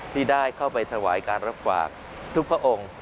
ที่ได้เข้าไปถวายการรับฝากทุกพระองค์